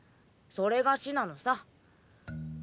それが死なのさ。